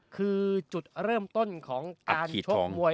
คือจุดเริ่มต้นของการชกมวย